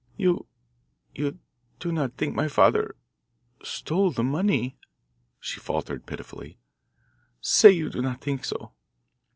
"You you do not think my father stole the money?" she faltered pitifully. "Say you do not think so."